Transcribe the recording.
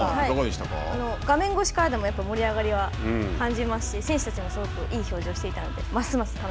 画面越しからでも、盛り上がりは感じますし、選手たちもすごくいい表情をしていたので、ます